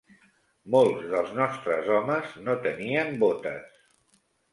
Molts dels nostres homes no tenien botes